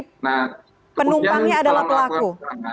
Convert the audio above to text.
penumpangnya adalah pelaku